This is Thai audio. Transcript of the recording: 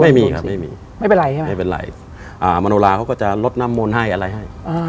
อเจมส์ไม่เป็นไรใช่ไหมบ๊วยมัโนลาจะลดนำบนมุนให้อะไรให้